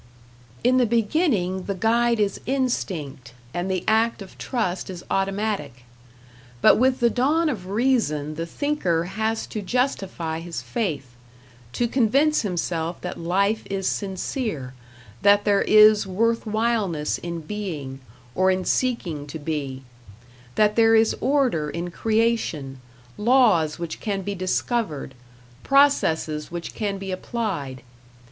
In the beginning the guide is instinct, and the act of trust is automatic. But with the dawn of reason the thinker has to justify his faith; to convince himself that life is sincere, that there is worth whileness in being, or in seeking to be; that there is order in creation, laws which can be discovered, processes which can be applied.